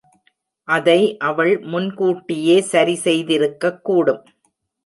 அதை அவள் முன்கூட்டியே சரி செய்திருக்க கூடும்.